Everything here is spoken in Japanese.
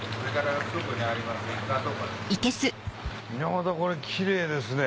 またこれキレイですね。